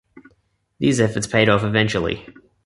These efforts paid off eventually.